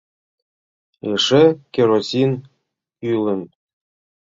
Эше керосин кӱлын.